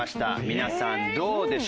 皆さんどうでしょう？